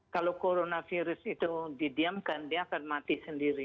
kalau corona virus itu didiamkan dia akan mati sendiri